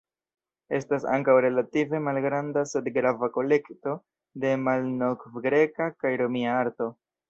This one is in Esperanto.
Estas ankaŭ relative malgranda sed grava kolekto de malnovgreka kaj romia arto.